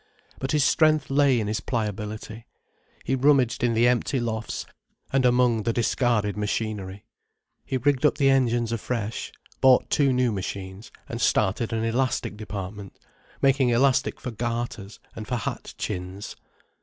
But his strength lay in his pliability. He rummaged in the empty lofts, and among the discarded machinery. He rigged up the engines afresh, bought two new machines, and started an elastic department, making elastic for garters and for hat chins.